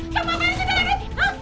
kamu apaan sih kak radit